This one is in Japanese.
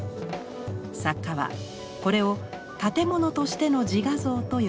作家はこれを「建物としての自画像」と呼びます。